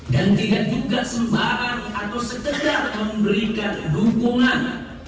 dan tidak juga sembarang atau segera memberikan dukungan